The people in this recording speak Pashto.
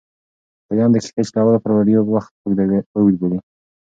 لویان د کښتۍ چلولو پر ویډیو وخت اوږد بولي.